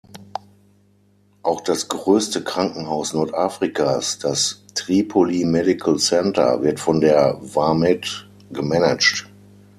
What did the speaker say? Auch das größte Krankenhaus Nordafrikas, das Tripoli Medical Center, wird von der Vamed gemanagt.